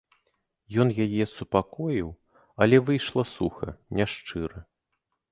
Ён яе супакоіў, але выйшла суха, няшчыра.